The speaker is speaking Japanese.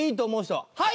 はい！